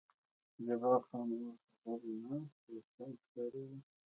جبار خان اوس غلی ناست و، سم ښکارېده.